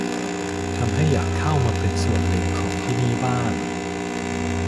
ทำให้อยากเข้ามาเป็นส่วนหนึ่งของที่นี่บ้าง